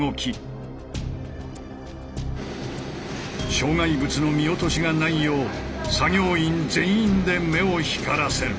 障害物の見落としがないよう作業員全員で目を光らせる。